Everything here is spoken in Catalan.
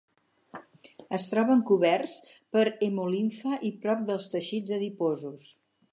Es troben coberts per hemolimfa i prop dels teixits adiposos.